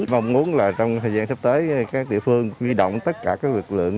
mong muốn là trong thời gian sắp tới các địa phương huy động tất cả các lực lượng